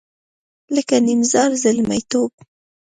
لکه نیمزال زلمیتوب